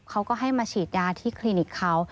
เขาก็ให้มาฉีดยาที่คลินิกเขา